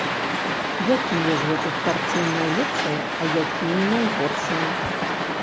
Якія з гэтых карцін найлепшыя, а якія найгоршыя?